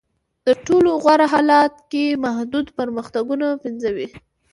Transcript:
په تر ټولو غوره حالت کې محدود پرمختګونه پنځوي.